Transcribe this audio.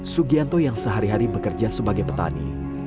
sugianto yang sehari hari bekerja sebagai petani